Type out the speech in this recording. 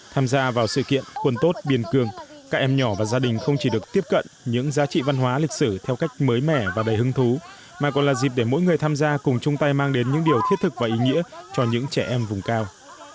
tham gia vào sự kiện quân tốt biên cường các em nhỏ và gia đình không chỉ được tiếp cận những giá trị văn hóa lịch sử theo cách mới mẻ và đầy hứng thú mà còn là dịp để mỗi người tham gia cùng chung tay mang đến những điều thiết thực và ý nghĩa cho những trẻ em vùng cao